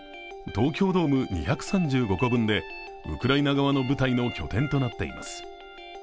東京ドーム２３５個分でウクライナ側の部隊の拠点となっています。